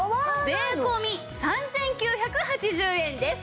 税込３９８０円です。